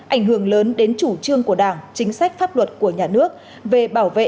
ảnh hưởng lớn đến chủ trương của đảng chính sách pháp luật của nhà nước về bảo vệ